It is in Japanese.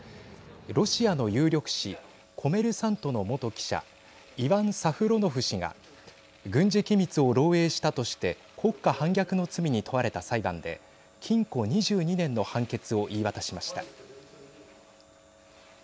ロシアの有力紙コメルサントの元記者イワン・サフロノフ氏が軍事機密を漏えいしたとして国家反逆の罪に問われた裁判で禁錮２２年の判決を言い渡しました。